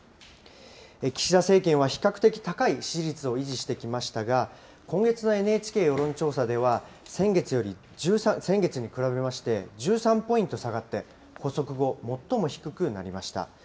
岸田政権は比較的高い支持率を維持してきましたが、今月のＮＨＫ世論調査では、先月に比べまして１３ポイント下がって、発足後最も低くなりました。